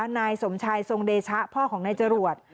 นายสมชายทรงเดชะพ่อของนายจรวด